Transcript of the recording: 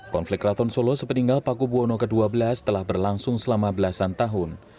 konflik keraton solo sepeninggal paku buwono ke dua belas telah berlangsung selama belasan tahun